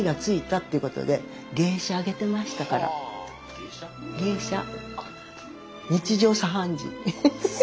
芸者日常茶飯事。